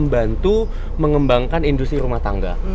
membantu mengembangkan industri rumah tangga